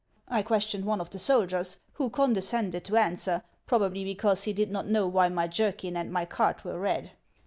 I questioned one of the soldiers, who condescended to answer, probably be cause he did not know why my jerkin and my cart were red.